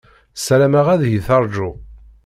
Ssarameɣ ad iyi-teṛju.